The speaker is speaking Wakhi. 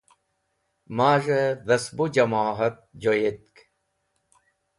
Maz̃hey Dhas-bu Jama’t joyetk